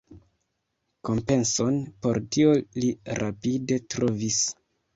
Kompenson por tio li rapide trovis.